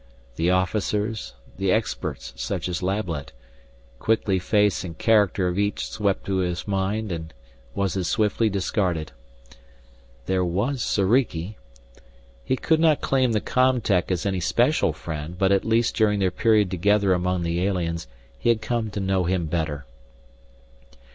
The officers, the experts such as Lablet quickly face and character of each swept through his mind and was as swiftly discarded. There was Soriki He could not claim the com tech as any special friend, but at least during their period together among the aliens he had come to know him better.